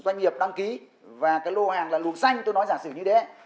doanh nghiệp đăng ký và cái lô hàng là lụp xanh tôi nói giả sử như đấy